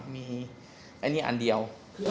มีอันนี้อันเดียว